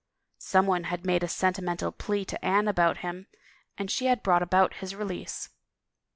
Someone had made a senti mental plea to Anne about him and she had brought about his release.